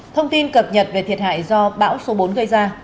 thông tin cập nhật về thiệt hại do bão số bốn gây ra